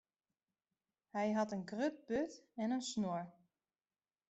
Hy hat in grut burd en in snor.